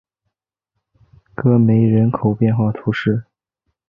戈梅人口变化图示